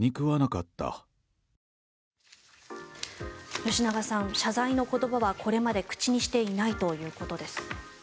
吉永さん、謝罪の言葉はこれまで口にしていないということです。